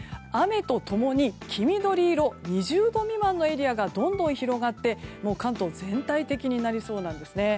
雨と共に、黄緑色２０度未満のエリアがどんどん広がって関東全体的になりそうなんですね。